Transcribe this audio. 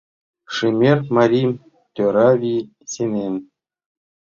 Шемер марийым тӧра вий сеҥен.